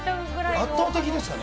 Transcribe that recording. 圧倒的でしたね。